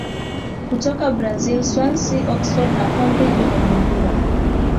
kutoka Brazil Swansea Oxford na Cambridge wamegundua